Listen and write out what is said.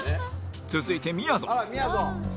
続いてみやぞん